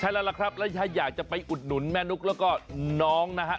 ใช่แล้วล่ะครับแล้วถ้าอยากจะไปอุดหนุนแม่นุ๊กแล้วก็น้องนะฮะ